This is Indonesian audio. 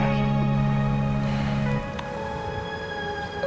tapi aku gak mau menceritakan masalah kamu